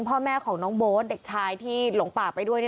พ่อแม่ของน้องโบ๊ทเด็กชายที่หลงป่าไปด้วย